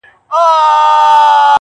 زاړه خلک چوپتيا غوره کوي,